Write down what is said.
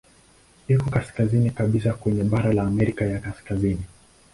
Iko kaskazini kabisa kwenye bara la Amerika ya Kaskazini.